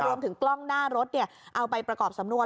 รวมถึงกล้องหน้ารถเอาไปประกอบสำนวน